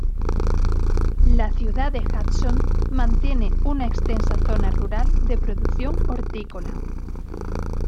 La ciudad de Hudson mantiene una extensa zona rural de producción hortícola.